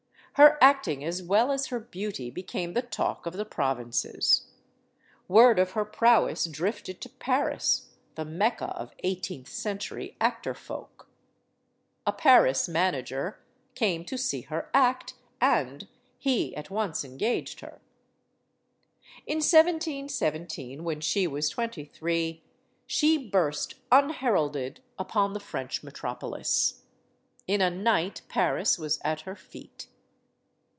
Her acting as well as her beauty became the talk of the provinces. Word of her prowess drifted to Paris, the Mecca of eighteenth century actor folk. A Paris manager came to see her act, and he at orce engaged her. In 1717, when she was twenty three, she burst un heralded upon the French metropolis. In a night, Paris was at her feet.